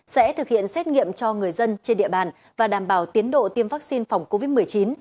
sẽ thực hiện xét nghiệm cho người dân trên địa bàn và đảm bảo tiến độ tiêm vaccine phòng covid một mươi chín